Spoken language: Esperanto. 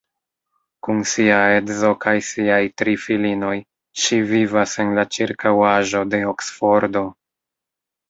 Kun sia edzo kaj siaj tri filinoj ŝi vivas en la ĉirkaŭaĵo de Oksfordo.